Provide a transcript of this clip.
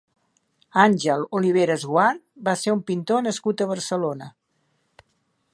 Ángel Oliveras Guart va ser un pintor nascut a Barcelona.